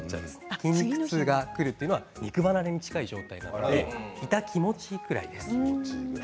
筋肉痛がくるというのは肉離れに近い状態なので痛気持ちいいくらいです。